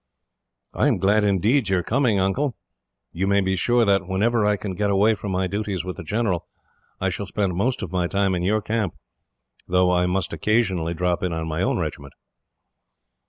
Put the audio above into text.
"I am glad, indeed, that you are coming, Uncle. You may be sure that, whenever I can get away from my duties with the general, I shall spend most of my time in your camp, though I must occasionally drop in on my own regiment."